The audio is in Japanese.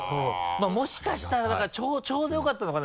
まぁもしかしたらだからちょうどよかったのかな？